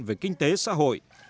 về kinh tế xã hội